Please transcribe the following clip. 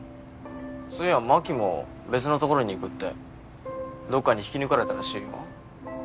そういやマキも別の所に行くってどっかに引き抜かれたらしいよ